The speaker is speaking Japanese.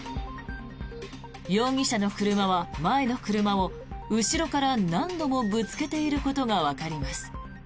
容疑者の車は前の車を後ろから何度もぶつけていることがわかります。